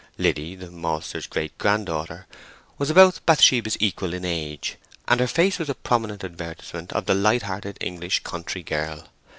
Liddy, the maltster's great granddaughter, was about Bathsheba's equal in age, and her face was a prominent advertisement of the light hearted English country girl.